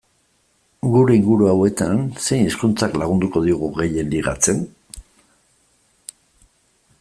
Gure inguru hauetan, zein hizkuntzak lagunduko digu gehien ligatzen?